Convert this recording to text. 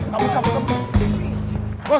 kabur kabur kabur